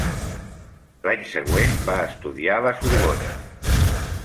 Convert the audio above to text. L'any següent va estudiar a la Sorbona.